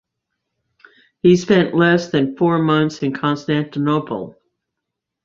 He spent less than four months in Constantinople.